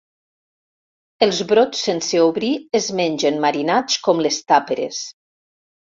Els brots sense obrir es mengen marinats com les tàperes.